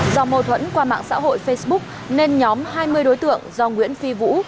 do mâu thuẫn qua mạng xã hội facebook nên nhóm hai mươi đối tượng do nguyễn phi vũ